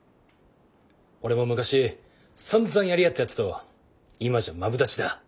俺も昔さんざんやり合ったやつと今じゃマブダチだ。